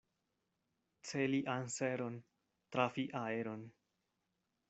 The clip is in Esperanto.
Celi anseron, trafi aeron.